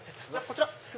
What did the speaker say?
こちら。